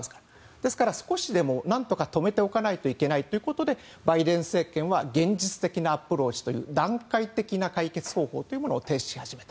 ですから少しでも何とか止めておかないといけないということでバイデン政権は現実的なアプローチということで段階的な解決方法を提出し始めた。